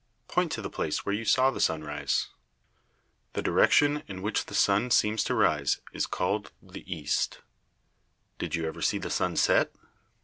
Point to the place where you saw the sun rise. The direction in which the sun seems to rise is called the east. Did you ever see the sun set?